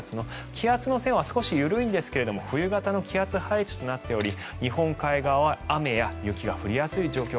気圧の線は少し緩いんですが冬型の気圧配置となっており日本海側は雨や雪が降りやすい状況